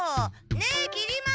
ねえきり丸。